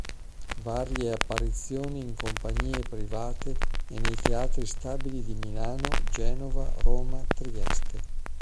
Varie apparizioni in compagnie private e nei Teatri Stabili di Milano, Genova, Roma, Trieste.